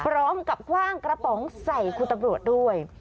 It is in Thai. พร้อมกับคว่างกระป๋องใส่คุณตำรวจด้วย